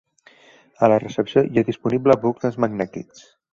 A la recepció hi ha disponibles bucles magnètics.